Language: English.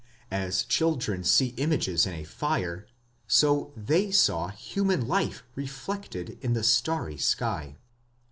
As children see images in a fire, so they saw human life reflected in the starry sky.